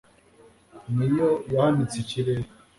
ni yo yahanitse ikirere